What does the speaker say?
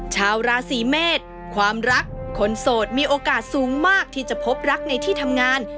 ชาวราศีเมษความรักคนโสดมีโอกาสสูงมากที่จะพบรักในที่ทำงาน